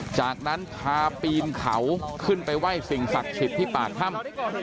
จากนั้นพาปีนเขาขึ้นไปไหว้สิ่งศักดิ์สิทธิ์ที่ปากถ้ำ